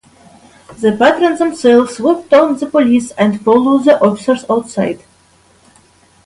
The patrons themselves would taunt the police and follow the officers outside.